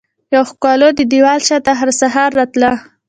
یوه ښکالو ددیوال شاته هرسحر راتلله